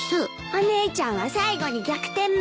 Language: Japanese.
お姉ちゃんは最後に逆転負けね。